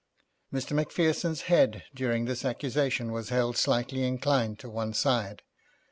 Mr. Macpherson's head during this accusation was held slightly inclined to one side.